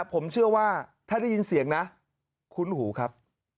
ผมเชื่อว่าถ้าได้ยินเสียงนะคุ้นหูครับ